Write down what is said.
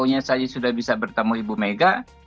makanya saya sudah bisa bertemu ibu mega